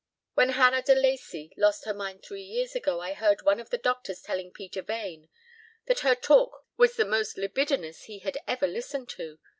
When Hannah de Lacey lost her mind three years ago I heard one of the doctors telling Peter Vane that her talk was the most libidinous he had ever listened to.